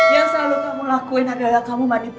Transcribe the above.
yang selalu kamu lakuin adalah kamu mencari dia sendiri